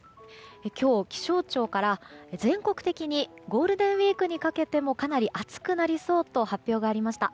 今日、気象庁から全国的にゴールデンウィークにかけてもかなり暑くなりそうと発表がありました。